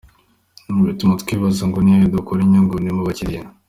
Ibi bituma twibaza ngo ni hehe dukura inyungu? Ni mu bakiliya.